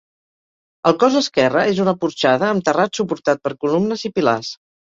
El cos esquerre és una porxada amb terrat suportat per columnes i pilars.